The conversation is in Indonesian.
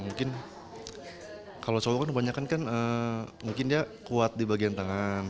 mungkin kalau solo kan kebanyakan kan mungkin dia kuat di bagian tangan